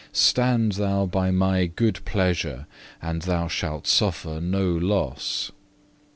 Stand thou by My good pleasure, and thou shalt suffer no loss.